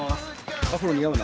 アフロ似合うな。